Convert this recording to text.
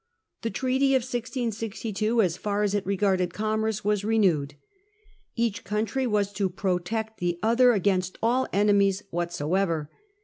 The treaty of 1662, as far as it regarded commerce, was re newed. Each country was to protect the other against all Treaties enemies whatsoever.